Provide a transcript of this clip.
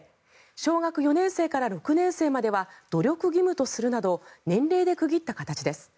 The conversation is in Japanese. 小学４年生から６年生までは努力義務とするなど年齢で区切った形です。